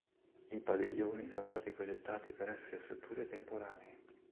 I padiglioni sono stati progettati per essere strutture temporanee.